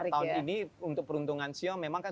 tahun ini untuk peruntungan sio memang kan